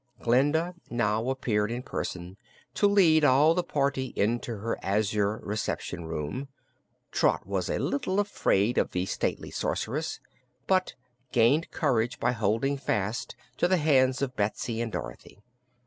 Glinda now appeared in person to lead all the party into her Azure Reception Room. Trot was a little afraid of the stately Sorceress, but gained courage by holding fast to the hands of Betsy and Dorothy.